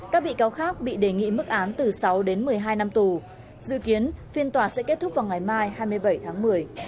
các bị cáo khác bị đề nghị mức án từ sáu đến một mươi hai năm tù dự kiến phiên tòa sẽ kết thúc vào ngày mai hai mươi bảy tháng một mươi